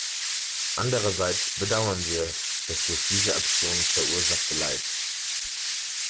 Andererseits bedauern wir das durch diese Aktionen verursache Leid.